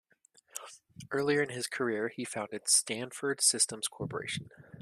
Earlier in his career, he founded Stanford Systems Corporation.